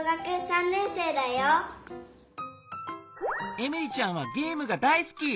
エミリちゃんはゲームが大すき！